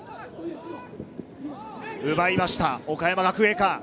奪いました岡山学芸館。